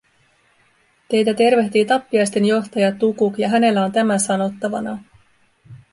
Teitä tervehtii tappiaisten johtaja Tukuk ja hänellä on tämä sanottavanaan.